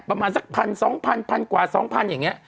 ประมาณสักพันสองพันพันกว่าสองพันอย่างเงี้ย